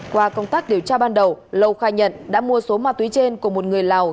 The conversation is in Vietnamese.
qua công tác điều tra ban đầu lâu khai nhận đã mua số ma túy trên của một người lào